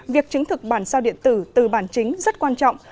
việc chứng thực bản sao điện tử từ bản chính rất quan trọng